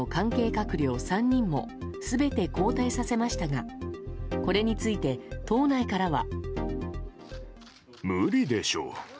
閣僚３人も全て交代させましたがこれについて、党内からは。